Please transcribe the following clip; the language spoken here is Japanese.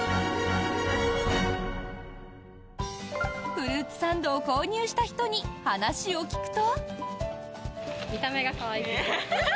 フルーツサンドを購入した人に話を聞くと。